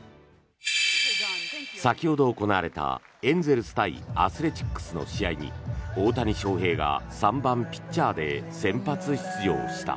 先ほど行われたエンゼルス対アスレチックスの試合に大谷翔平が３番ピッチャーで先発出場した。